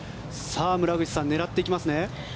さあ、村口さん狙っていきますね。